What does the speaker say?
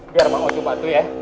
biar bang ojo bantu ya